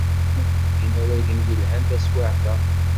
Nitni d inaragen yelhan taswiɛt-a.